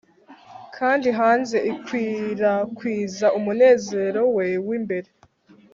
Kandi hanze ikwirakwiza umunezero we wimbere